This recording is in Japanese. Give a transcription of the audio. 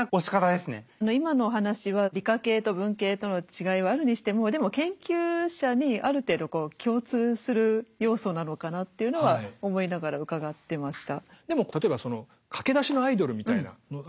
今のお話は理科系と文系との違いはあるにしてもでも研究者にある程度共通する要素なのかなっていうのは思いながら伺ってました。